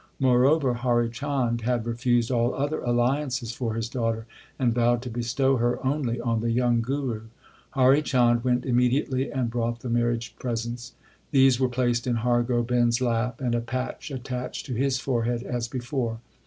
Moreover Hari Chand had refused all other alliances for his daughter, and vowed to bestow her only on the young Guru. 1 Hari Chand went immediately and brought the marriage presents. These were placed in Har Gobind s lap and a patch attached to his forehead as before.